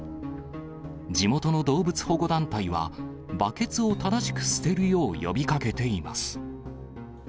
地元の動物保護団体は、バケツを正しく捨てるよう呼びかけています。